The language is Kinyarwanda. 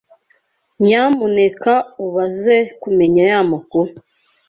Nyamuneka ubaze kumenya y’amakuru.